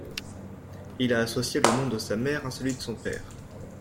Il a associé le nom de sa mère à celui de son père.